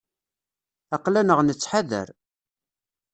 Aql-aneɣ nettḥadar.